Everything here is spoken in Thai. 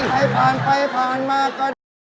ใครผ่านไปผ่านมาก็ได้